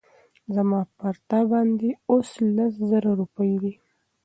زما پر تا باندي اوس لس زره روپۍ دي